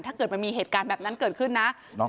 ถ้ามีเหตุการณ์แผดนั้นเกิดขึ้นน้ะ